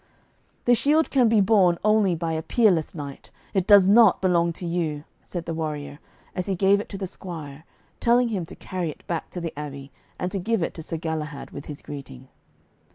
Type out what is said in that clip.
'The shield can be borne only by a peerless knight. It does not belong to you,' said the warrior, as he gave it to the squire, telling him to carry it back to the abbey and to give it to Sir Galahad with his greeting.